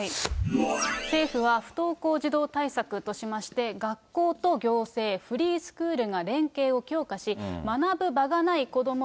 政府は不登校児童対策としまして、学校と行政、フリースクールが連携を強化し、学ぶ場がない子ども